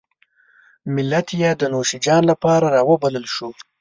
ملت یې د نوشیجان لپاره راوبلل شو.